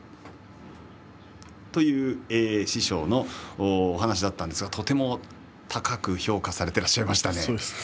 という師匠のお話があったんですがとても高く評価されていらっしゃいましたね。